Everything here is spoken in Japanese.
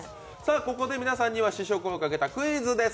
ここで皆さんには試食をかけたクイズです。